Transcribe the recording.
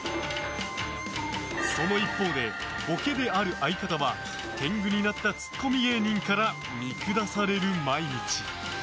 その一方で、ボケである相方は天狗になったツッコミ芸人から見下される毎日。